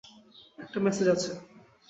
একটা মেসেজ আছে।